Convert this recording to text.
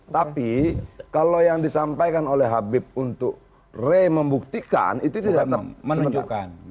tapi kalau yang disampaikan oleh habib untuk re membuktikan itu tidak menentukan